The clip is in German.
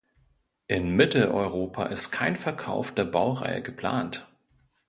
In Mitteleuropa ist kein Verkauf der Baureihe geplant.